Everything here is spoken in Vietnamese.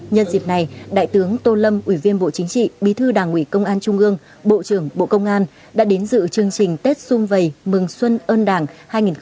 nhân dịp này đại tướng tô lâm ủy viên bộ chính trị bí thư đảng ủy công an trung ương bộ trưởng bộ công an đã đến dự chương trình tết xuân vầy mừng xuân ơn đảng hai nghìn hai mươi do liên đoàn lao động tỉnh lai châu tổ chức